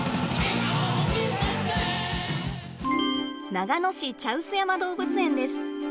長野市茶臼山動物園です。